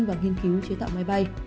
dấn thân và nghiên cứu chế tạo máy bay